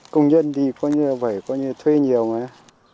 công nhân thì coi như vậy coi như thuê nhiều nữa